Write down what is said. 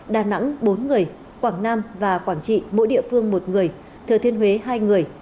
đà nẵng bốn người quảng nam và quảng trị mỗi địa phương một người thừa thiên huế hai người